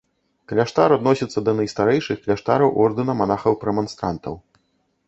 Кляштар адносіцца да найстарэйшых кляштараў ордэна манахаў-прэманстрантаў.